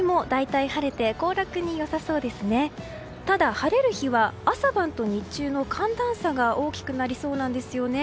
ただ、晴れる日は朝晩と日中の寒暖差が大きくなりそうなんですよね。